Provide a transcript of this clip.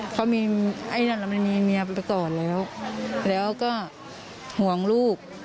เขามีเมียไปก่อนแล้วแล้วก็ห่วงลูก